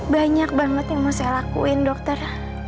banyak banget yang mau saya lakuin dokter